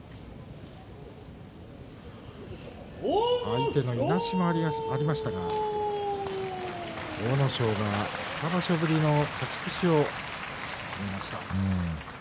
相手のいなしもありましたが阿武咲が２場所ぶりの勝ち越しを決めました。